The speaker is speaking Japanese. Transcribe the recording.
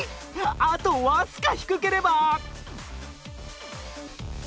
あとわずか低ければ。